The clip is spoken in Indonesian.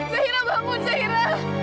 zahira bangun zahira